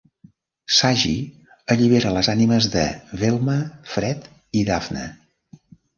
Shaggy allibera les ànimes de Velma, Fred i Daphne.